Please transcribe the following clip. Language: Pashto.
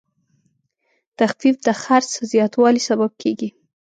تخفیف د خرڅ زیاتوالی سبب کېږي.